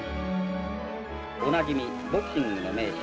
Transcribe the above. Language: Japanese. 「おなじみボクシングの名手